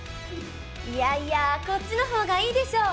いやいやこっちの方がいいでしょ！